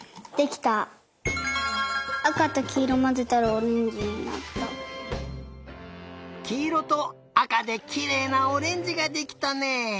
きいろとあかできれいなオレンジができたね。